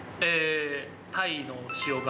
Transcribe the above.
タイの塩釜。